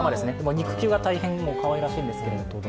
肉球が大変かわいらしいんですけど。